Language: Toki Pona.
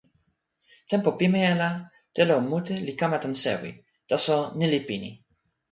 tenpo pimeja la telo mute li kama tan sewi, taso ni li pini.